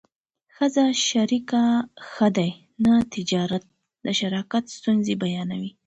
ښځه شریکه ښه ده نه تجارت د شراکت ستونزې بیانوي